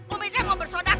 umi teh mau bersodako